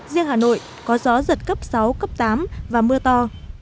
riêng hà nội có gió giật cấp sáu cấp tám và mưa to